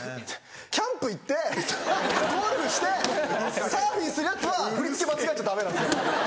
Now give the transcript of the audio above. キャンプ行ってゴルフしてサーフィンするヤツは振り付け間違えちゃダメなんですよ。